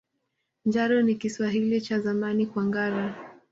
Njaro ni Kiswahili cha Zamani kwa ngara